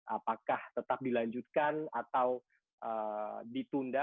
apakah tetap dilanjutkan atau ditunda